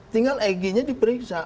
tinggal egy nya diperiksa